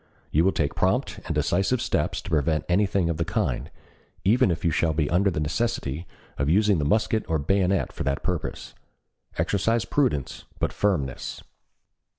You will take prompt and decisive steps to prevent anything of the kind, even if you shall be under the necessity of using the musket or bayonet for the purpose. Exercise prudence but firmness."